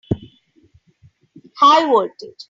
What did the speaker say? High voltage!